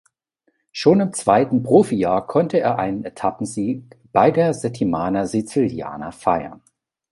Schon im zweiten Profijahr konnte er einen Etappensieg bei der Settimana Siciliana feiern.